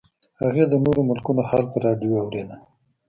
هغې د نورو ملکونو حال په راډیو اورېده